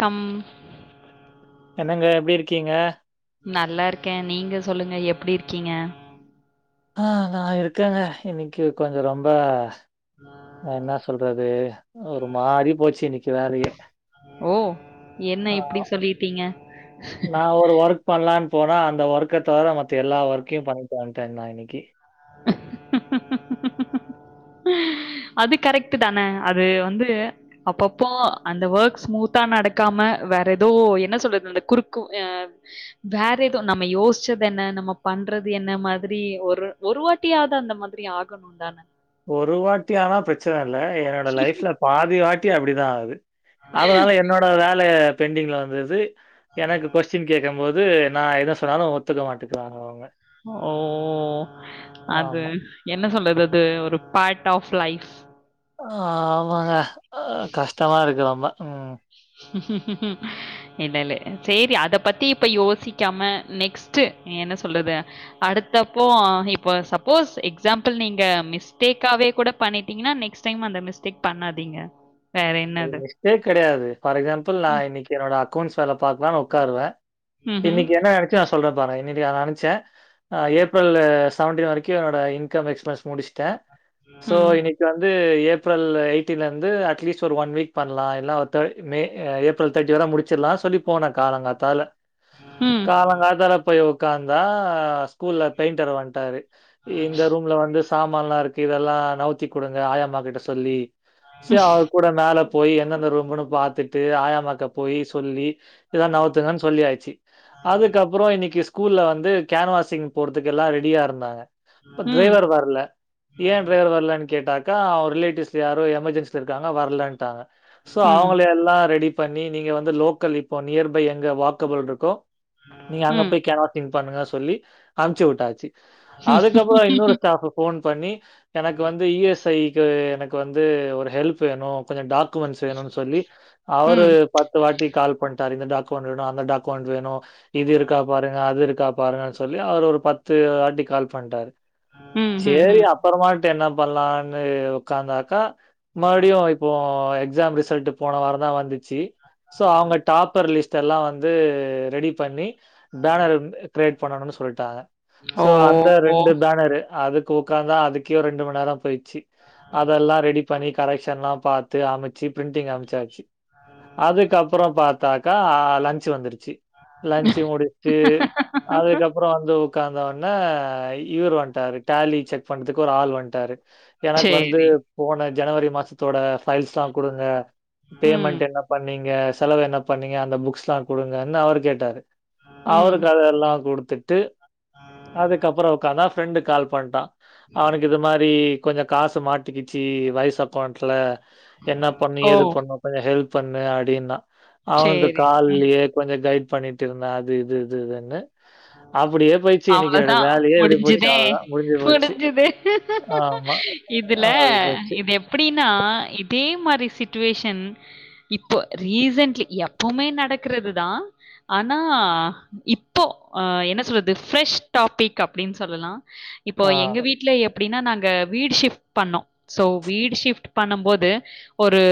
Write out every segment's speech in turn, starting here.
Come என்னங்க எப்புடி இருக்கீங்க நல்லா இருக்கே நீங்க சொல்லுங்க எப்டி இருக்கீங்க ஆ நா இருக்கேங்க இன்னிக்கு கொஞ்சோ ரொம்ப என்னா சொல் றது ஒரு மாறி போச்சு இன்னிக்கு வேலையே ஓ என்ன இப்புடி சொல்லிட்டீங்க நா ஒரு ஒர்க் பண்ணலான்னு போனா அந்த ஒர்க்க தவிர மத்த எல்லா ஒர்க்கையு பண்ணிட்டு வன்ட்டே நா இன்னிக்கு அது கரக்டு தானே அது வந்து அப்பப்போ அந்த ஒர்க் ஸ்மூத்தா நடக்காம வேற எதோ என்ன சொல்றது அந்த குறுக்கு அ வேற எதோ நம்ம யோசிச்சதென்ன நம்ம பண்றது என்ன மாதிரி ஒரு ஒரு வாட்டியாது அந்த மாதிரி ஆகணோ தானே ஒரு வாட்டி ஆனா பிரச்சன இல்ல என்னோட லைஃப்ல பாதி வாட்டி அப்புடிதா ஆகுது அதனால என்னோட வேலை பெண்டிங்ல வந்தது எனக்கு கொஸ்டின் கே க்கு போது நா எத சொன்னாலு ஒத்துக்க மாட்டுக்கிறாங்க அவுங்க ஓ அது ஆமா. என்ன சொல்றது அது ஒரு பார்ட் ஆஃப் லைஃப் ஆமாங்க கஷ்டமா இருக்கு ரொம்போ உம் இல்லல செரி அத பத்தி இப்ப யோசிக்காம நெக்ஸ்ட்டு என்ன சொல்றது அடுத்தப்போ இப்ப சப்போஸ் எக்ஸாம்பிள் நீங்க மிஸ்டேக்காவே கூட பண்ணிட்டீங்கனா நெக்ஸ்ட் டைம் அந்த மிஸ்டேக் பண்ணாதீங்க வேற அது என்னது? மிஸ்டேக் கெடையாது ஃபார் எக்ஸாம்பிள் நா இன்னிக்கு என்னோட அக்கவுண்ட்சு வேல பாக்கலான்னு ஒக்காருவ ம்ஹ்ம். இன்னிக்கு என்ன நெனச்சே நா சொல்றே பாறே இன்னிக்கு நா நெனச்சே அ ஏப்ரல் செவன்டீன் வரைக் கி என்னோட இன்கம் எக்ஸ்பன்ஸ் முடிச்ட்டே சோ ம். இன்னிக் கு வந்து ஏப்ரல் எயிட்டின்ல இருந்து அட்லீஸ்ட் ஒரு ஒன் வீக் பண்லா இல்ல ஒ த மே ஏப்ரல் தேர்ட்டி வர முடிச்சுட்லா சொல்லி போனே காலங்காத்தால ம். காலங்காத்தால போய் உக்காந்தா ஸ்கூல்ல பெயிண்டர் வந்ட்டாரு இந்த ரூம்ல வந்து சாமான்ல்லா இருக்கு இதெல்லா நவுத்தி குடுங்க ஆயாம்மா கிட்ட சொல்லி ம். சரி அவர் கூட மேல போய் எந்தெந்த ரூம்புன்னு பாத்துட்டு ஆயாமாக்க போய் சொல்லி இத நவுத்துங்கன்னு சொல்லி ஆச்சு அதுக்கப்புறோ இன்னைக்கு ஸ்கூல்ல வந்து கேன்வாஷிங் போறதுக்கு எல்லா ரெடியா இருந்தாங்க இப்ப ம். டிரைவர் வர்ல ஏ டிரைவர் வர்லன்னு கேட்டாக்கா அவர் ரிலேட்டிவ்ஸ் யாரோ எமர்ஜென்சில இருக் காங்க வர்லன்ட்டாங்க சோ ம். அவங்கள எல்லா ரெடி பண்ணி நீங்க வந்து லோக்கல் இப்போ நியர் பை எங்க வாக்கபல் இருக்கோ நீங்க அங்க போய் கேனா கிங் பண்ணுங்க சொல்லி அமுச்சு விட்டாச்சு ம். அதுக்கப்புறோ இன்னொரு ஸ்டாஃப் ஃபோன் பண்ணி எனக்கு வந்து இ எஸ் ஐக்கு எனக்கு வந்து ஒரு ஹெல் ப் வேணு கொஞ்சொ டாக்குமெண்ட்ஸ் வேணுனு சொல்லி அவரு ம். பத்து வாட்டி கால் பண்ட்டாரு இந்த டாக்குமெண்ட் வேணு அந்த டாக்குமெண்ட் வேணு இது இருக்கா பாருங்க அது இருக்கா பாருங்க சொல்லி அவர் ஒரு பத்து வாட்டி கால் பண்ட்டாரு சேரி ம்ஹ்ம். அப் புறமாட்டு என்ன பண்லான்னு உக்காந்தாக்கா மறுபடியு இப்போ எக்ஸாம் ரிசல்ட் போன வாரந்தா வந்துச்சு சோ அவங்க டாப்பர் லிஸ் ட்டெல்லா வந்து ரெடி பண்ணி பேனர் கிரியேட் பண்ணணும்னு சொல்லிட்டாங்க சோ அந்த ஓஹோ! ரெண்டு பேனரு அதுக் கு உக்காந்தா அதுக்கே ரெண்டு மணி நேர போயிடுச்சு அதெல்லா ரெடி பண்ணி கரெக்ஷன்ல்லா பாத்து அமச்சு பிரிண்டிங் அனுப்ச்சாச்சு அதுக்கப்புறோ பாத்தாக்கா லன்ச்சு வந்துரு ச்சு லன்ச்சு முடிச்டு அதுக்கப்புறோ வந்து உ க்காந்தவுனே இவர் வந்ட்டாரு டேலி செக் பண்றதுக்கு ஒரு ஆள் வந்டாரு எனக்கு வந்து சரி. போன ஜனவரி மாசத்தோட ஃபைல்ஸ்லா குடுங்க ம். பேமெண்ட் என்ன பண்ணீங்க செலவு என்ன பண்ணீங்க அந்த புக்ஸ்ல்லா குடுங்கன்னு அவரு கேட்டாரு ம். அவருக்கு அதெல்லா குடுத்துட்டு அதுக்கப்புறோ உக்காந்தா ஃப்ரெண்டு கால் பண்ட்டா அவனுக்கு இது மாரி கொஞ்ச காசு மாட்டிக்கிச்சு வயிஸ் அக்கவுண்ட்ல என்ன பண்ணு ஓ! ஏது பண்ணு கொஞ்ச ஹெல்ப் பண்ணு அப்டின்னா அவனுக்கு சரி. ம். கால்லயே கொஞ்ச கைட் பண்ணிட்டு இருந்தே அது இது இது இதுன்னு அப்டியே போயிச்சு இன்னைக்கு எனக்கு அவ்வளவுதான். வேலையே இப்டி போச்சு முடிஞ்சுதே! அவ்ளதா முடிஞ்சு போச்சு முடிஞ்சுது. ஆமா இதுல அப்டி போச்சு. இது எப்டின்னா இதே மாரி சிட்டுவேஷன் இப்போ ரீசன்ட்லி எப்பவுமே நடக்குறது தா ஆனா இப்போ அ என்ன சொல்றது ப்ரெஷ் டாபிக் அப்டின் சொல்லலா இப்போ ஆ. எங்க வீ ட்ல எப்டின்னா நாங்க வீடு ஷிஃப்ட் பண்ணோ சோ வீடு ஷிஃப்ட் பண்ணும் போது ஒரு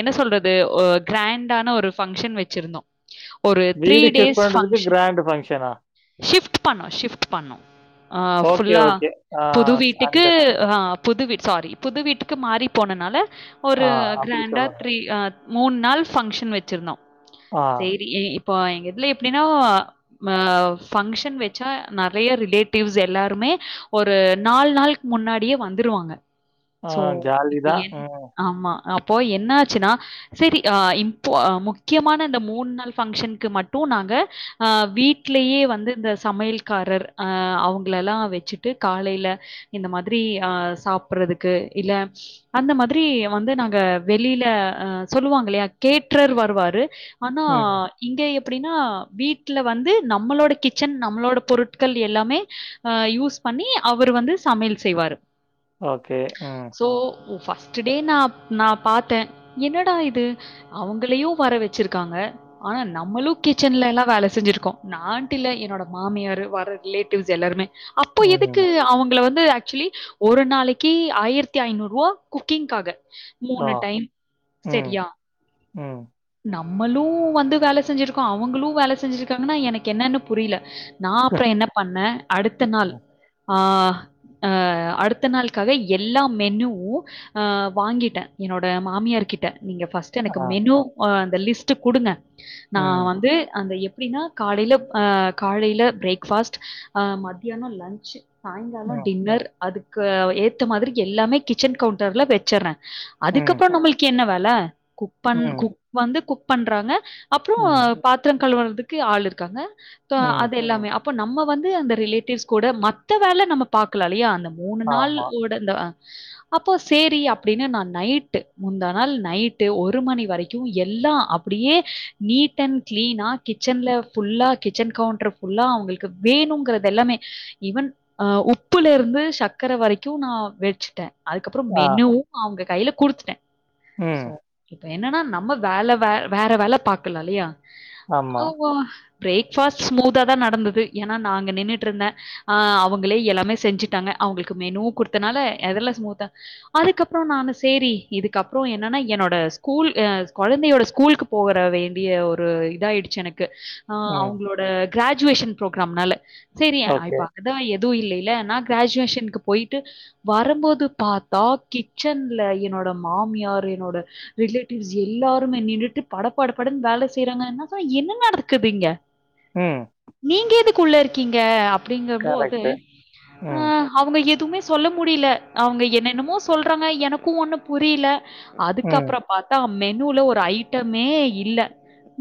என்ன சொல்றது ஒரு கிராண்டான ஒரு ஃபங்க்ஷன் வெச்சிருந்தோ ஒரு த்ரீ வீடு ஷிஃப்ட் டேஸ் பண்றதுக்கு ஃபங்க்ஷன் கிராண்ட் ஃபங்க்ஷனா ஷிஃப்ட் பண்ணோ ஷிஃப்ட் பண்ண ஆ ஓகே, ஃபுல்லா ஓகே. ஆ புது வீட்டுக்கு அண்டர்ஸ்டாண்ட். ஆ புது வீட் சாரி புது வீட்டுக்கு மாறி போனனால ஒரு ஆ அப்டி கிராண்டா சொல்லுங்க. த்ரீ ஆ மூண் நாள் ஃபங்க்ஷன் வெச்சிருந்தோ ஆ, சேரி இப்போ எங்க இதுல எப்டின்னா அ ஃபங்க்ஷன் வெச்சா நறைய ரிலேட்டிவ்ஸ் எல்லாருமே ஒரு நாலு நாளுக்கு முன்னாடியே வந்துருவாங்க ஆ சோ ஜாலி இப்ப தான். என் ம், ஆமா அப்போ என்னாச்சுன்னா செரி அ இப்போ முக்கியமான இந்த மூண் நாள் பஃங்க்ஷனுக்கு மட்டு நாங்க ஆ வீட் லயே வந்து இந்த சமையல்காரர் அ அவங்கள எல்லா வச்சுட்டு காலைல இந்த மாதிரி அ சாப்பறதுக்கு இல்ல அந்த மாதிரி வந்து நாங்க வெளியில அ சொல்லுவாங்க இல்லையா கேட்ரர் வருவாரு ஆனா ம். இங்க எப்டின்னா வீட்ல வந்து நம்மளோட கிச்சன் நம்மளோட பொருட்கள் எல்லாமே அ யூஸ் பண்ணி அவரு வந்து சமையல் செய்வாரு ஓகே ம் தோ ஃபர்ஸ்ட்ட் டே நா நா பார்த்த என்னடா இது அவுங்களையு வர வச்சிருக்காங்க ஆனா நம்மளு கிச்சன்ல எல்லா வேல செஞ்சிருக்கோ நான்ட்டில்ல என்னோட மாமியாரு வர்ற ரிலேட்டிவ்ஸ் எல்லாருமே அப்போ எதுக்கு அவுங்கள வந்து ஆக்சுவலி ஒரு நாளைக்கி ஆயிரத்தி ஐந்நூறு ரூவா குக்கிங்காக மூணு டைம் செரியா ம் நம்மளு வந்து வேல செஞ்சிருக்கோ அவுங்களு வேல செஞ்சிருக்காங்கன்னா எனக்கு என்னன்னு புரில நா அப்றோ என்ன பண்ண அடுத்த நாள் ஆ அ அடுத்த நாளுக்காக எல்லா மெனுவு ஆ வாங்கிட்ட என்னோட மாமியார் கிட்ட நீங்க ஃபஸ்ட் டு எனக்கு மெனு அந்த லிஸ்ட்ட குடுங்க நா வந்து அந்த எப் ப்டின்னா காலைல காலைல பிரேக்ஃபாஸ்ட் மத்தியானோ லன்ச்சு சாய்ங்கால டின்னர் அதுக்கு ஏத்த மாதிரி எல்லாமே கிச்சன் கவுண்டர்ல வெச்சர்ற அதுக்கப்பறோ நம்மளுக்கு என்ன வேல குக் பண் குக் வந்து குக் பண்றாங்க அப்றோ பாத்திரம் கழுவுறதுக்கு ஆள் இருக்காங்க அது எல்லாமே அப்போ நம்ம வந்து அந்த ரிலேட்டிவ்ஸ் கூட மத்த வேல நம்ம பாக்கலா இல்லியா அந்த மூணு நாள் ஆமா. அந்த அ அப்போ சேரி அப்டினு நா நைட்டு முந்தா நாள் நைட்டு ஒரு மணி வரை க்கு எல்லா அப்டியே நீட் அண் கிளீனா கிச்சன்ல ஃபுல்லா கிச்சன் கவுண்டர் ஃபுல்லா அவுங்களுக்கு வேணுங்கிறது எல்லாமே ஈவன் அ உப்புல இருந்து சர்க்கர வரைக்கு நா வெச்சுட்ட அதுக்கப்றோ ஆ. மெனு அவுங்க கையில குடுத்துட்ட ம். சோ இப்ப என்னன்னா நா நம்ம வேல வே வேற வேல பாக்கலா இல்லையா ஆமா. அவுங்க பிரேக்ஃபாஸ்ட் ஸ்மூத்தா தா நடந்தது ஏன்னா நா அங்க நின்னுட்டு இருந்த ஆ அவுங்களே எல்லாமே செஞ்சுட்டாங்க அவுங்களுக்கு மெனு குடுத்தனால அதெல்லா ஸ்மூத்தா அதுக்கப்றோ நானு சேரி இதுக்கப்றோ என்னன்னா என்னோட ஸ்கூல் கொழந்தையோட ஸ்கூலுக்கு போற வேண்டிய ஒரு இதாயிடுச்சி எனக்கு ஆ ம். அவுங்களோட கிராஜுவேஷன் ப்ரோக்ராம்னால செரி ஆ ஓகே. இப்ப அதா எதுவு இல்லைல்ல நா கிராஜுவேஷன்க்கு போயிட்டு வரம்போது பாத்தா கிச்சன்ல என்னோட மாமியார் என்னோட ரிலேட்டிவ்ஸ் எல்லாருமே நின்னுட்டு படப்படப்படன் வேல செய்றாங்க நா சொன்ன என்ன நடக்குது இங்க ம் நீங்க எதுக்கு உள்ள இருக்கீங்க அப்டிங்கபோது கரெக்ட்டு. அ ம். அவுங்க எதுமே சொல்ல முடில அவுங்க என்னென்னமோ சொல்றாங்க எனக்கு ஒண்ணுப் புரில ம். அதுக்கப்பறோ பாத்தா மெனுல ஒரு ஐட்டமே இல்ல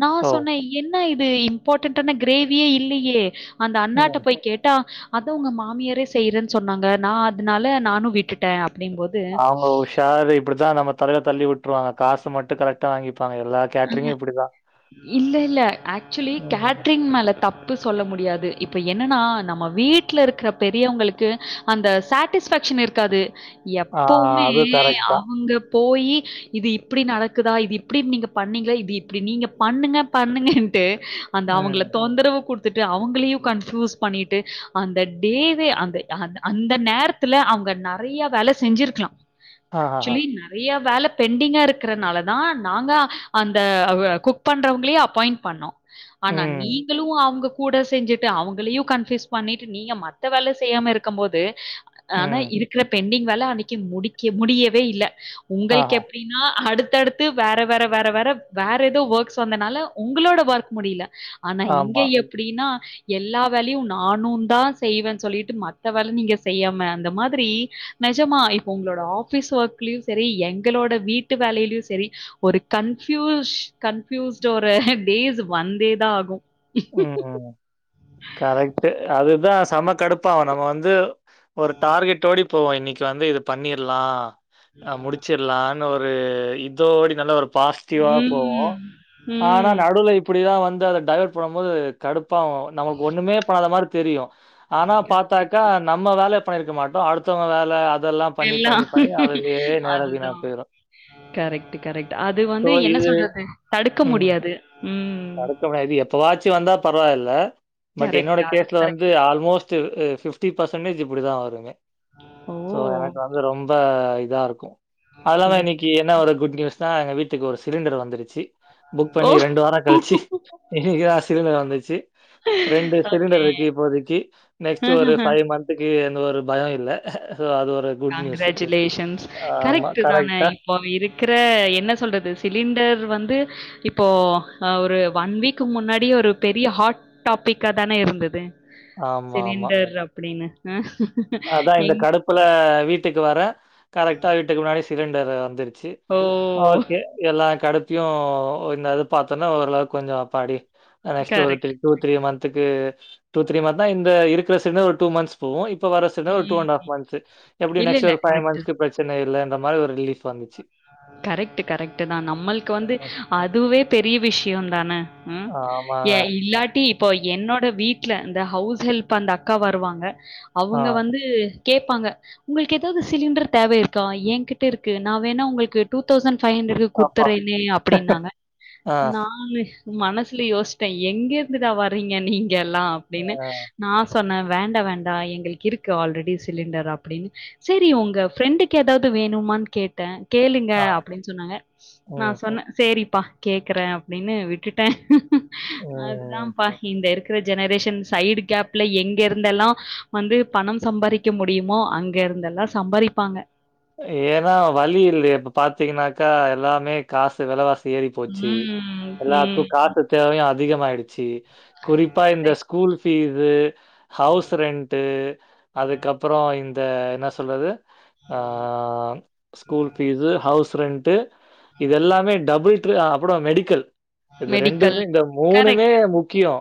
நா ஓ! சொன்ன என்ன இது இம்பார்டட்டான கிரேவியே இல்லயே அந்த அண்ணாட்ட ம். போய் கேட்டா அது உங்க மாமியாரே செய்யறன் சொன்னாங்க நா அதனால நானு விட்டுட்ட அப்டின் போது அவங்க உஷாரு இப்டிதா நம்ம தலைல தள்ளி விட்ருவாங்க காசு மட்டு கரெக்டா வாங்கிப்பாங்க எல்லாத் அ இல்ல இல்ல ஆக்சுலி ம். கேட்ரிங் மேல தப் து சொல்ல முடியாது இப்ப என்னனா நம்ம வீட்லருக்கற பெரியவங்களுக்கு அந்த சாட்டிஸ்ஃபேக்ஷன் இருக்காது ஆ எப்பவுமே அது கரெக்ட் தான். அவுங்கப் போயி இது இப்டி நடக்குதா இது இப்டி நீங்க பண்ணீங்ளா இது இப்டி நீங்க பண்ணுங்க பண்ணுங்கன்ட்டு அந்த அவங்கள ம். தொந்தரவு குடு த்துட்டு அவுங்களையு கன்ப்யூஸ் பண்ணிட்டு அந்த டேவே அந்த அந்த அந்த நேரத் துல அவங்க நறயா வேல செஞ்சிருக்லா ஆஹஹா. ஆக்சுலி நறையா வேல பெண்டிங்கா இருக்கறனாலதா நாங்க அந்த குக் பண்றவங்ளே அப்பாயிண் பண்ணோ ஆனா ம். நீ ங்களு அவுங்க கூட செஞ்சுட்டு அவங்களையு கன்ப்யூஸ் பண்ணிட்டு நீங்க மத்த வேல செய்யாம இருக்கும் போது ஆனா ம். இருக்குற பெண்டிங் வேல அன்னிக்கு முடிக்க முடியவே இல்ல உங்களுக் ஆஹா. எப் டினா அடுத்தடுத்து வேற வேற வே இதுல வேற வேற ஏதோ ஒக்ஸ் வந்தனால உங்களோட ஒர்க் முடியல ஆனா இங்க ஆமா. எப்டினா எல்லா வேலையு நானுந்தா செய்வன் சொல்லிட்டு மத்த வேல நீங்க செய்யாம அந்த மாதிரி நெஜமா இப்ப உங்களோட ஆபீஸ் ஒர்க்லயு சரி எங்களோட வீட்டு வேலைலியு சரி ஒரு கன்ஃபியூஷ் கன்ஃப்யூஸ்ட் ஒரு டேஸ் வந்தேதா ஆகு ம் கரெக்ட் அதுதா செம கடுப்பாவு நம்ம வந்து ஒரு டார்கெட் ஓடி போவோ இன்னைக்கு வந்து இது பண்ணிர்லா ஆ முடிச்சிரலானு ஒரு இதோடி நல்ல ஒரு பாஸ் திவா போவோ ம். ஆனா ம். நடுவுல இப் இப்டிதா வந்து அத டைவர்ட் பண்ணும் போது கடுப்பாகு நமக்கு ஒண்ணுமே பண்ணாத மாரி தெரியு ஆனா கண்டிப்பா. பாத்தாக்கா நம்ம வேல பண்ணியிருக்க மாட்டோ அடுத்தவங்க வேல அதெல்லா பண்ணி பண்ணி எல்லாம். பண்ணி அதுவே நேர வீணா அதுதான். போயிறு கரெக்ட் கரெக்ட் அது வந்து என்ன இது சொல்றது தடுக்க முடியாது ம் [unintelligible] எப்ப வாச்சி வந்தா பரவாயில்ல பட் கரெக்ட். என்னோட அதுவும் கேஸ்ல வந்து கரெக்ட் தான். ஆல்மோஸ்ட் டிவ் ஃபிப்டி பர்செண்டேஜ் இப்டிதா வருங்க ஓ! சோ எனக்கு வந்து ரொம்ப இதா இருக்கு அத இல்லாம இல்ல. இன்னைக்கு கி என்ன ஒரு குட் நியூஸ்னா எங்க வீட்டுக்கு ஒரு சிலிண்டர் வந்துருச்சி புக் ஓ! பண்ணி ரெண்டு வார கழிச்சி இன்னைக்கு தா சிலிண்டர் வந்துச்சி ரெண்டு சிலிண்டர் ஓகே. இருக்கு இப்போதைக்கி நெக்ஸ்ட் ஒரு ஃபைவ் மந்த்க்கு எந்த ஒரு பயோ இல்ல சோ அது ஒரு குட் நியூஸ். கங்ராசுலேஷன்ஸ் ஆமா, கரெக்ட்டு தான கரெக்ட்டா இப் போல அங்க இருக்கிற என்ன சொல்றது சிலிண்டர் வந்து இப்போ ஒரு ஒன் வீக்கு முன்னாடி ஒரு பெரிய ஹாட் டாபிக்கா தான இருந்தது ஆமா, சிலிண்டர் அப்டினு அதா இந்த கடுப்புல வீட்டுக்கு வர கரெக்டா வீட்டுக்கு முன்னாடி சிலிண்டர் வந்துருச்சி ஓ ஓகே எல்லா கடுப்பையு இந்த இது பாத்தோனா ஓரளவுக்கு கொஞ்ச அப்பாடி நெக்ஸ்ட் ஒரு த்ரீ கரெக்ட். டூ த்ரீ மந்த்துக்கு டூ த்ரீ மந்த் இந்த இருக்கிற சிலிண்டர் ஒரு டூ மந்த்ஸ் போகு இப்ப வர சிலிண்டர் ஒரு டூ ம். அண்டு ஹாஃப் மந்த்ஸ் எப்டி இல்ல, நெக்ஸ்ட் இல்ல. ஒரு ஃபைவ் கரெக்ட். மந்த்க்கு பிரச்சன இல்லன்ற மாரி ஒரு ரிலீஃப் வந்துச்சி கரெக்ட் கரெக்ட் தா நம்மளுக்கு வந்து அதுவே பெரிய விஷயந்தான ம் ஆமாங்க. ஏ இல்லாட்டி இப்போ என்னோட வீட்ல இந்த ஹவுஸ் ஹெல்ப் அந்த அக்கா வருவாங்க ஆ, அவுங்க வந்து கேப்பாங்க உங்குளுக்கு எதாவது சிலிண்டர் தேவை இருக்கா ஏங்கிட்ட இருக்கு நா வேணா உங்கள்க்கு டூ தௌசண் ஃபை ஹண்ரடுக்கு அப்பா! குட்த்தர்றேனே அப்படின்னாங்க ஆ, நானு மனசுல யோச்ட்டே எங்க இருந்துடா வரீங்க நீங்க எல்லா அப்டினு. ஆ, நா சொன்னே வேண்டா வேண்டா எங்குளுக்கு இருக்கு ஆல்ரெடி சிலிண்டர் அப்டின்னு சேரி உங்க ஃப்ரெண்டுக்கு எதாவது வேணுமான் கேட் ட்ட கேளுங்க ஆ. அப்டின் சொன்னாங்க நா ம், சொன்னே சேரிப் பா கேக்குறே அப்டின்னு விட்டுட்டே ம். அதுதாம்பா இந்த இரு க்கற ஜெனரேஷன் சைடு கேப்ல எங்க இருந்தெல்லா வந்து பணம் சம்பாரிக்க முடியுமோ அங்க இருந்தெல்லா ஸ் சம்பாரிப்பாங்க. ஏனா வழி இல்லையே இப்ப பாத்தீங்கனாக்கா எல்லாமே காசு வெலவாஸ் ஏறி போச்சி ம், எல்லார்க்கு ம். காசு தேவையு அதிகமாயிடுச்சி குறிப்பா இந்த correct. School fees house rent அதுக்கப்புறோ இந்த என்ன சொல்றது அ ஸ்கூல் ஃபீஸு ஹவுஸ் ரெண்ட்டு இது எல்லாமே டபுள்ட்ரு அ அப்புடோ மெடிக்கல் ட்டு இது மெடிக்கல். ரெண்டுமே இந்த மூணுமே கரெக்ட், முக்கியோ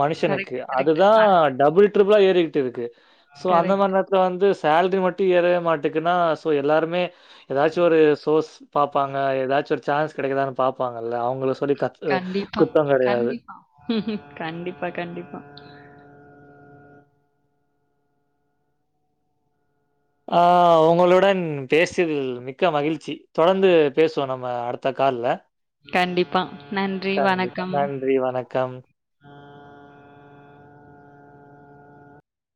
மனுஷனுக்கு கரெக்ட், கரெக்ட். அதுதா அது டபுள் ட்ருபுளா ஏறிக்கிட்டு இருக்கு சோ அந்த கரெக்ட். மாரி நேரத்ல வந்து சேல்ரி மட்டு ஏறவே மாட் டுக்குனா சோ எல்லாருமே எதாச்சு ஒரு சோர்ஸ் பாப்பாங்க எதாச்சு ஒரு சான்ஸ் கெடைக்குதானு பாப்பாங்க இல்ல அவுங்கள சொல்லி தக்கு கண்டிப்பா, குத்தோ கெடையாது. கண்டிப்பா. கண்டிப்பா கண்டிப்பா. ஆ உங்களுடன் பேசியதில் மிக்க மகிழ்ச்சி தொடர்ந்து பேசுவோ நம்ம அடுத் த கால்ல. கண்டிப்பா நன்றி வணக்கம். ன்றி வணக்கம்.